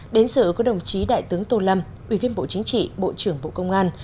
đến sự có đồng chí đại tướng tô lâm ủy viên bộ chính trị bộ trưởng bộ công an